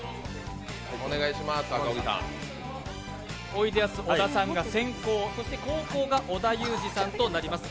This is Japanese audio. おいでやす小田が先攻そして後攻が織田裕二さんとなります。